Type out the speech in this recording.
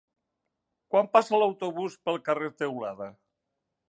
Quan passa l'autobús pel carrer Teulada?